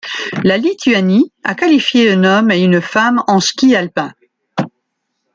La Lituanie a qualifié un homme et une femme en ski alpin.